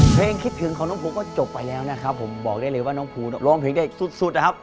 คิดถึงของน้องภูก็จบไปแล้วนะครับผมบอกได้เลยว่าน้องภูร้องเพลงได้สุดนะครับ